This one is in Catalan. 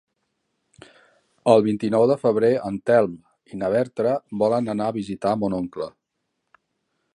El vint-i-nou de febrer en Telm i na Berta volen anar a visitar mon oncle.